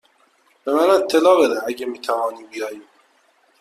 به من اطلاع بده اگر می توانی بیایی.